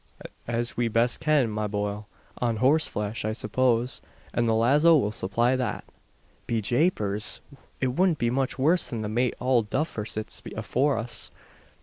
"As we best can, ma bohil. On horseflesh, I suppose: and the lazo will supply that." "Be Japers! it wudn't be much worse than the mate Owld Duffer sits afore us.